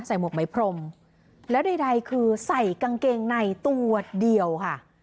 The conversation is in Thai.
หมวกไหมพรมแล้วใดคือใส่กางเกงในตัวเดียวค่ะ